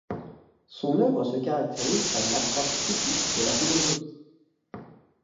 Son œuvre se caractérise par une approche critique de la philosophie.